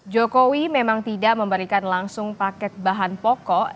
jokowi memang tidak memberikan langsung paket bahan pokok